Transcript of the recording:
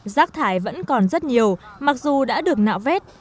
rác thải vẫn còn rất nhiều mặc dù đã được nạo vét